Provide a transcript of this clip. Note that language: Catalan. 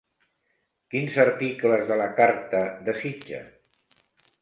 Quins articles de la carta desitja?